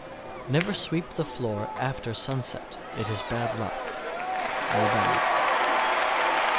651. Never sweep the floor after sunset; it is bad luck. _Alabama.